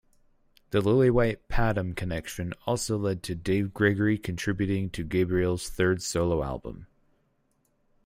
The Lillywhite-Padgham connection also led to Dave Gregory contributing to Gabriel's third solo album.